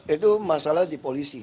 itu masalah di polisi